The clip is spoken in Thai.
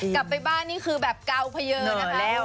กลับไปบ้านนี่คือแบบเกาเผยนะคะ